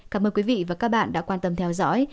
cảm ơn quý vị và các bạn đã quan tâm theo dõi